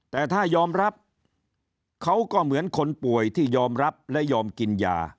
แต่ถ้ายอมรับเขาก็เหมือนคนป่วยที่ยอมรับและยอมกินยา